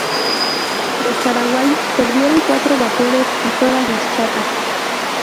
Los paraguayos perdieron cuatro vapores y todas las chatas.